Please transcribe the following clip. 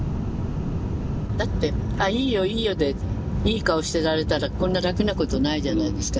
だって「あっいいよいいよ」でいい顔してられたらこんな楽なことないじゃないですか。